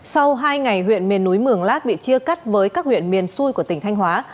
sau hai ngày huyện miền núi mường lát bị chia cắt với các huyện miền xuôi của tỉnh thanh hóa